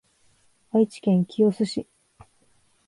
愛知県清須市